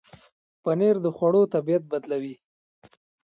پنېر د خوړو طبعیت بدلوي.